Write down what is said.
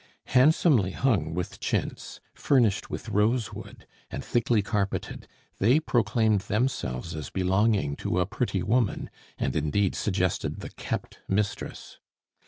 Handsomely hung with chintz, furnished with rosewood, and thickly carpeted, they proclaimed themselves as belonging to a pretty woman and indeed suggested the kept mistress.